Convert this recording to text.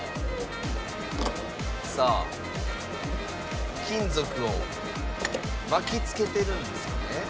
さあ金属を巻き付けてるんですかね？